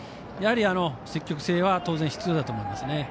やはり、積極性は当然必要だと思いますね。